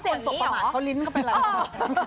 เขายังเสนสบประบาทเขาลิ้นก็เป็นอะไร